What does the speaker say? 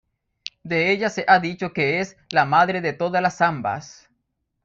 De ella se ha dicho que es "la madre de todas las zambas".